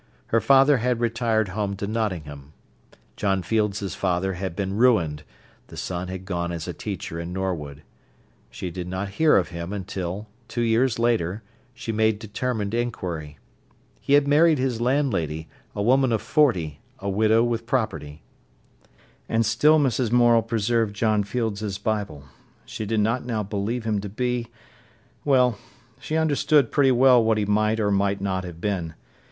Her father had retired home to Nottingham. John Field's father had been ruined; the son had gone as a teacher in Norwood. She did not hear of him until, two years later, she made determined inquiry. He had married his landlady, a woman of forty, a widow with property. And still Mrs. Morel preserved John Field's Bible. She did not now believe him to be—— Well, she understood pretty well what he might or might not have been.